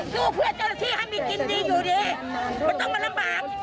สู้เพื่อเจ้าหน้าที่ให้มีกินดีอยู่ดีมันต้องมาลำบาก